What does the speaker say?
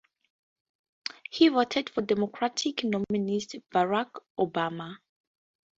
He voted for Democratic nominee Barack Obama.